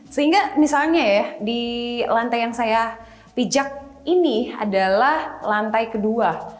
sehingga misalnya ya di lantai yang saya pijak ini adalah lantai kedua